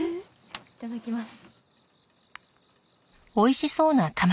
いただきます。